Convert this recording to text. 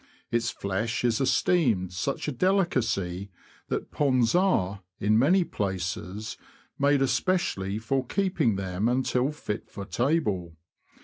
Its flesh is esteemed such a delicacy that ponds are, in many places, made especially for keeping them until fit for table.